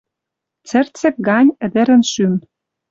Цӹрцӹк гань ӹдӹрӹн шӱм.